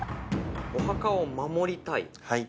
お墓を守りたい。